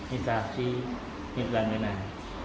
instalasi milik pelangganan